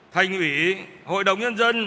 thành ủy hội đồng nhân dân